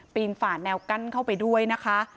ฝ่าแนวกั้นเข้าไปด้วยนะคะ